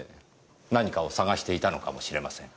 何かを探していたのかもしれません。